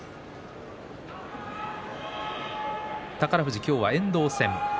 宝富士、今日は遠藤戦。